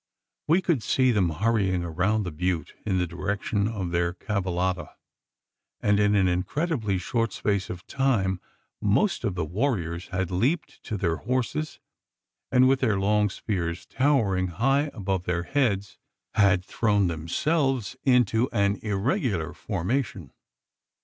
We could see them hurrying around the butte, in the direction of their cavallada: and, in an incredibly short space of time, most of the warriors had leaped to their horses, and with their long spears towering high above their heads, had thrown themselves into an irregular formation.